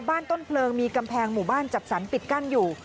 ต้นเพลิงมีกำแพงหมู่บ้านจัดสรรปิดกั้นอยู่